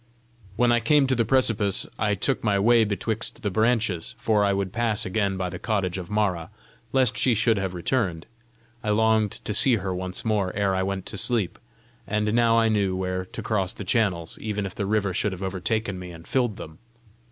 When I came to the precipice, I took my way betwixt the branches, for I would pass again by the cottage of Mara, lest she should have returned: I longed to see her once more ere I went to sleep; and now I knew where to cross the channels, even if the river should have overtaken me and filled them.